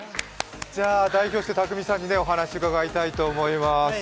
代表してＴＡＫＵＭＩさんにお話伺いたいと思います。